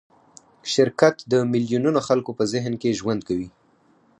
شرکت د میلیونونو خلکو په ذهن کې ژوند کوي.